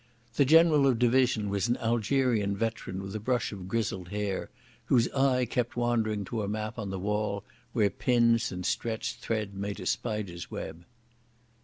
The General of Division was an Algerian veteran with a brush of grizzled hair, whose eye kept wandering to a map on the wall where pins and stretched thread made a spider's web.